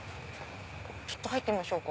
ちょっと入ってみましょうか。